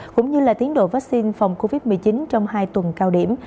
cũng như tiến độ vắc xin phòng covid một mươi chín trong hai tuần cao điểm